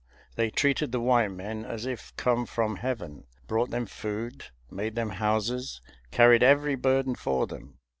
They treated the white men as if come from heaven, brought them food, made them houses, carried every burden for them.